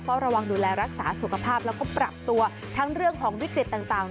ระวังดูแลรักษาสุขภาพแล้วก็ปรับตัวทั้งเรื่องของวิกฤตต่าง